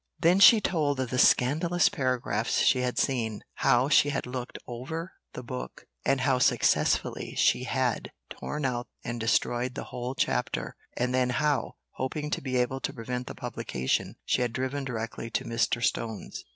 Then she told of the scandalous paragraphs she had seen; how she had looked over the book; and how successfully she had torn out and destroyed the whole chapter; and then how, hoping to be able to prevent the publication, she had driven directly to Mr. Stone's.